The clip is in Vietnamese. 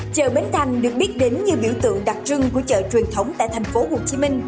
chợ bến thành được biết đến như biểu tượng đặc trưng của chợ truyền thống tại tp hcm